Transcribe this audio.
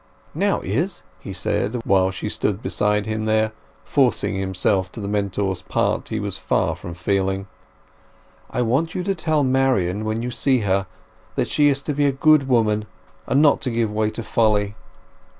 "Now, Izz," he said, while she stood beside him there, forcing himself to the mentor's part he was far from feeling; "I want you to tell Marian when you see her that she is to be a good woman, and not to give way to folly.